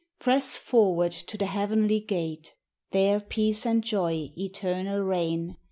Press forward to the heavenly sale, There peace and joy eternal reigu.